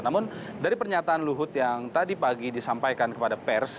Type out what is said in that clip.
namun dari pernyataan luhut yang tadi pagi disampaikan kepada pers